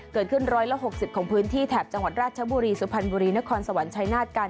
๑๖๐ของพื้นที่แถบจังหวัดราชบุรีสุพรรณบุรีนครสวรรค์ชายนาฏกัน